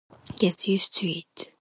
Get used to it!